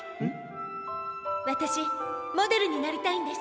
わたしモデルになりたいんです。